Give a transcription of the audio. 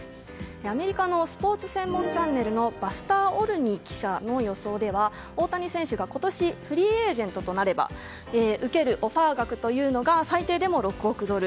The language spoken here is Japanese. アメリカのスポーツ専門チャンネルのバスター・オルニー記者の予想では大谷選手が今年フリーエージェントとなれば受けるオファー額というのが最低でも６億ドル。